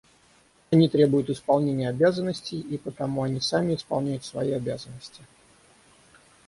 Они требуют исполнения обязанностей, и потому они сами исполняют свои обязанности.